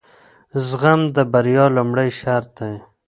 زغم د بریا لومړی شرط دی.